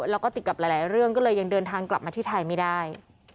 แล้วก็ติดกับหลายเรื่องก็เลยยังเดินทางกลับมาที่ไทยไม่ได้